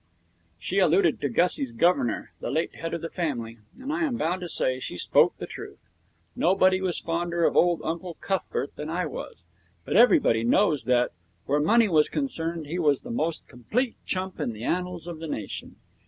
She alluded to Gussie's governor, the late head of the family, and I am bound to say she spoke the truth. Nobody was fonder of old Uncle Cuthbert than I was, but everybody knows that, where money was concerned, he was the most complete chump in the annals of the nation.